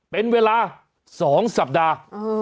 เป็นเวลา๒สัปดาห์